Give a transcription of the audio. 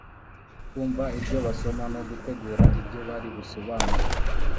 kumva ibyo basoma no gutegura ibyo bari busobanuze